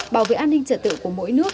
bảo vệ an ninh trật tự của mỗi nước